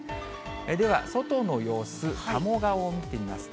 では外の様子、鴨川を見てみますと。